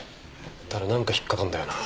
ただなんか引っかかるんだよな。